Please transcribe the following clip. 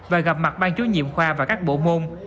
và gặp mặt ban chú nhiệm khoa và các bộ môn